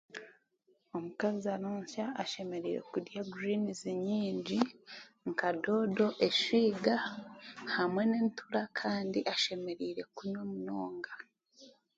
Omukazi aronsya ashemereire kurya guriinizi nyingi nka doodo eswiga hamwe n'entura kandi ashemereire kunywa munonga